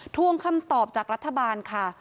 ทวงคำตอบจากรัฐบาลค่ะ